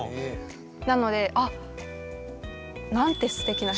なのであっなんてステキな人。